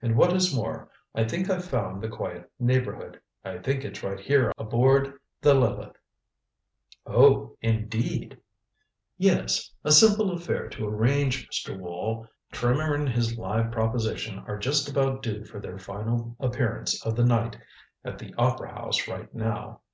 And what is more, I think I've found the quiet neighborhood. I think it's right here aboard the Lileth." "Oh indeed!" "Yes. A simple affair to arrange, Mr. Wall. Trimmer and his live proposition are just about due for their final appearance of the night at the opera house right now.